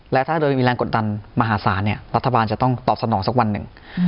และถ้าโดยมีแรงกดดันมหาศาลเนี่ยรัฐบาลจะต้องตอบสนองสักวันหนึ่ง